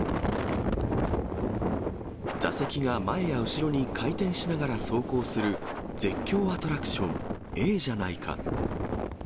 座席が前や後ろに回転しながら走行する、絶叫アトラクション、ええじゃないか。